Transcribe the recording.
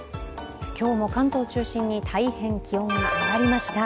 今日も関東を中心に大変気温が上がりました。